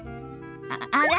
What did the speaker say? あら？